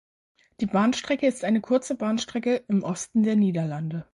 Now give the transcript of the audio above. Die Bahnstrecke ist eine kurze Bahnstrecke im Osten der Niederlande.